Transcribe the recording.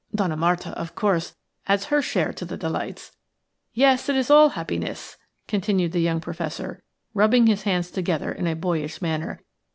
Donna Marta, of course, adds her share to the delights. Yes, it is all happiness," continued the young Professor, rubbing his hands together in a boyish manner.